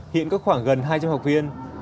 hiện có khoảng gần hai trăm linh học viên